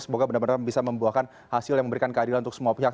semoga benar benar bisa membuahkan hasil yang memberikan keadilan untuk semua pihak